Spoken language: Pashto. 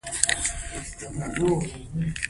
د پوهانو او عالمانو قدر وکړئ.